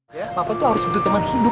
ya ampun apes banget sih gue hari ini